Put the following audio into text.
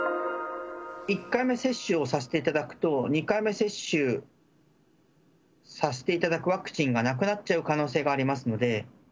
１回目接種をさせていただくと、２回目接種させていただくワクチンがなくなっちゃう可能性がありますので。